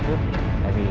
điều này nói với bà